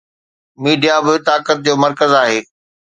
Media به طاقت جو مرڪز آهي.